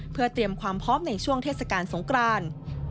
เพื่อเตรียมความพร้อมในช่วงเทศกาลสงคราน